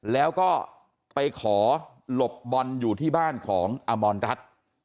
แล้วก็ไปขอหลบบอลอยู่ที่บ้านของอมรรัฐ